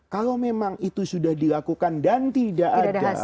kalau memang itu sudah dilakukan dan tidak ada